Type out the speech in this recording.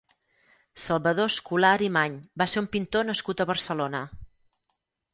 Salvador Escolá Arimany va ser un pintor nascut a Barcelona.